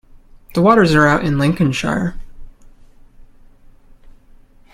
The waters are out in Lincolnshire.